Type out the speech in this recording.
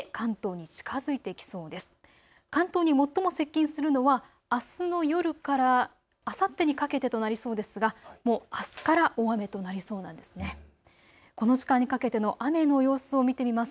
関東に最も接近するのはあすの夜からあさってにかけてとなりそうですがあすから大雨となりそうです。